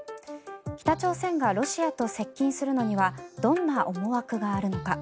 北朝鮮がロシアと接近するのにはどんな思惑があるのか。